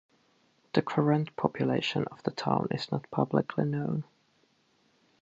The current population of the town is not publicly known.